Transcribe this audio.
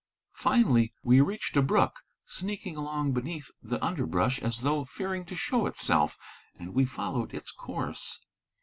Finally we reached a brook, sneaking along beneath the underbrush as though fearing to show itself, and we followed its course.